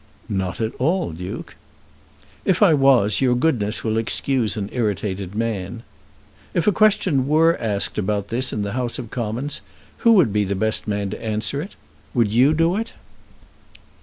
"Not at all, Duke." "If I was, your goodness will excuse an irritated man. If a question were asked about this in the House of Commons, who would be the best man to answer it? Would you do it?"